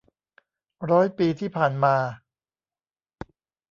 ร้อยปีที่ผ่านมา